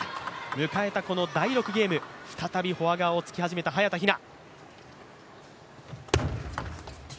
迎えた第６ゲーム、再びフォア側をつき始めた早田ひな。